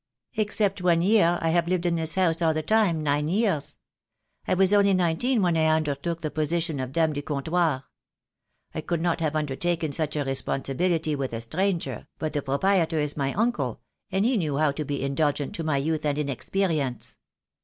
"Except one year I have lived in this house all the time, nine years. I was only nineteen when I undertook the position of dame du comptoir. I could not have under taken such a responsibility with a stranger, but the pro prietor is my uncle, and he knew how to be indulgent to my youth and inexperience."